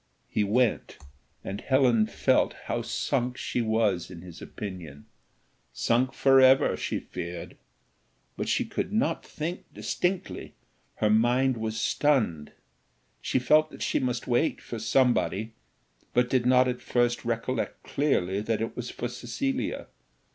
He went, and Helen felt how sunk she was in his opinion, sunk for ever, she feared! but she could not think distinctly, her mind was stunned; she felt that she must wait for somebody, but did not at first recollect clearly that it was for Cecilia.